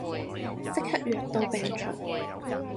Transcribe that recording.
即刻藥到病除